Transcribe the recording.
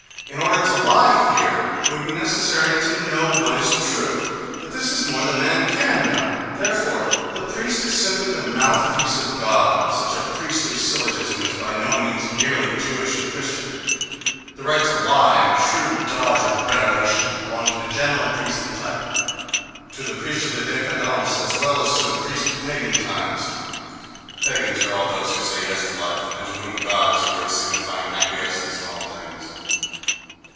In order to lie here it would be necessary to know what is true. But this is more than man can know; therefore, the priest is simply the mouthpiece of God.—Such a priestly syllogism is by no means merely Jewish and Christian; the right to lie and the shrewd dodge of "revelation" belong to the general priestly type—to the priest of the décadence as well as to the priest of pagan times (—Pagans are all those who say yes to life, and to whom "God" is a word signifying acquiescence in all things).